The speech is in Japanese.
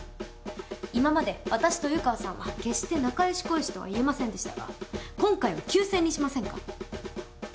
今まで私と湯川さんは決して仲良しこよしとはいえませんでしたが今回は休戦にしませんか？